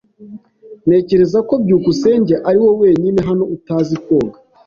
Ntekereza ko byukusenge ariwe wenyine hano utazi koga.